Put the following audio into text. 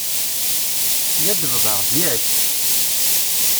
Teskaddbeḍ-aɣ-d, yak?